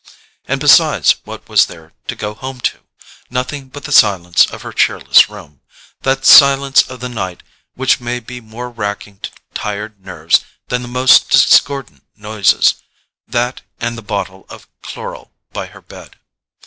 And besides, what was there to go home to? Nothing but the silence of her cheerless room—that silence of the night which may be more racking to tired nerves than the most discordant noises: that, and the bottle of chloral by her bed.